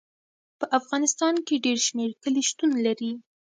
په افغانستان کې ډېر شمیر کلي شتون لري.